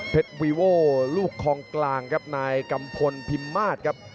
วีโว่ลูกคลองกลางครับนายกัมพลพิมมาศครับ